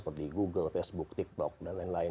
seperti google facebook tiktok dan lain lain